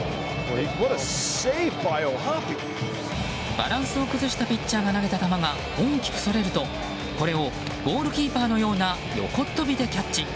バランスを崩したピッチャーが投げた球が大きくそれるとこれをゴールキーパーのような横っ飛びでキャッチ。